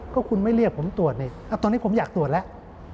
ก็คุณไม่เรียกผมตรวจนี่ตอนนี้ผมอยากตรวจแล้ว